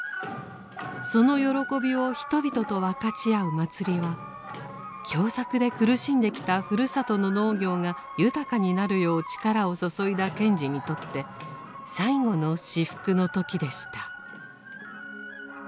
その喜びを人々と分かち合う祭りは凶作で苦しんできたふるさとの農業が豊かになるよう力を注いだ賢治にとって最後の至福の時でした。